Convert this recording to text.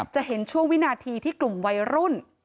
จะเห็นช่วงวินาทีที่กลุ่มวัยรุ่น